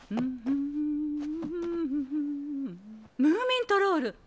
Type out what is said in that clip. ムーミントロール！